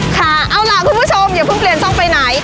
ค่ะเอาล่ะคุณผู้ชมอย่าเพิ่งเปลี่ยนช่องไปไหน